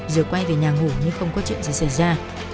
rồi quay về nhà ngủ nhưng không có chuyện gì xảy ra